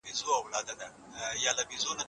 ځینې خلک د روژې پر مهال مثبتې اغېزې تجربه کوي.